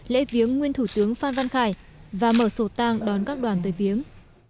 lễ viếng nguyên thủ tướng phan văn khải và mở sổ tang đón các đoàn tới viếng